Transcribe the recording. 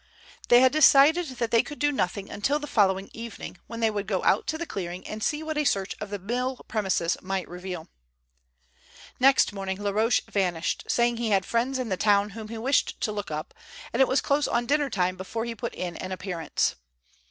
They had decided that they could do nothing until the following evening, when they would go out to the clearing and see what a search of the mill premises might reveal. Next morning Laroche vanished, saying he had friends in the town whom he wished to look up, and it was close on dinner time before he put in an appearance.